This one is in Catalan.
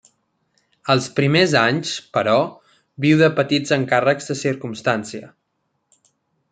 Els primers anys, però, viu de petits encàrrecs de circumstància.